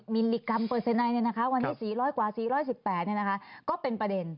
มิลลิกรัมเปอร์เซ็นต์วันที่๔๐๐กว่า๔๑๘ก็เป็นประเด็น